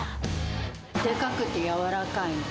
でかくて柔らかい。